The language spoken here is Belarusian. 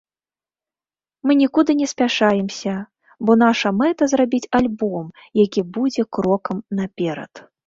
Мы нікуды не спяшаемся, бо наша мэта зрабіць альбом, які будзе крокам наперад.